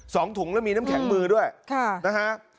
สองถุงแล้วมีน้ำแข็งมือด้วยค่ะนะฮะ